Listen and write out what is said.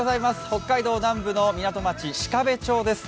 北海道南部の港町、鹿部町です。